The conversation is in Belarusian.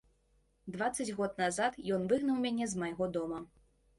Дваццаць год назад ён выгнаў мяне з майго дома.